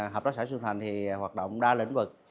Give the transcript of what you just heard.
hợp tác xã xuân thành thì hoạt động đa lĩnh vực